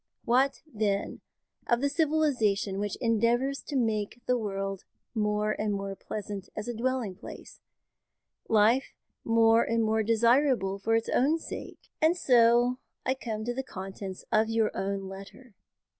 What then of the civilisation which endeavours to make the world more and more pleasant as a dwelling place, life more and more desirable for its own sake? "And so I come to the contents of your own letter.